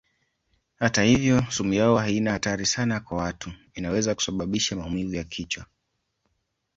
Hata hivyo sumu yao haina hatari sana kwa watu; inaweza kusababisha maumivu ya kichwa.